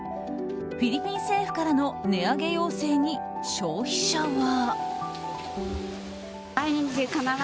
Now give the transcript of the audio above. フィリピン政府からの値上げ要請に、消費者は。